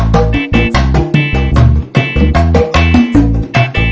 boleh ini bobo ajanmin padahal